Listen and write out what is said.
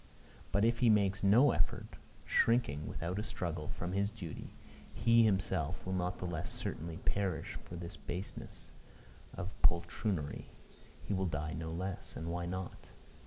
But if he makes no effort, shrinking, without a struggle, from his duty, he himself will not the less certainly perish for this baseness of poltroonery. He will die no less: and why not?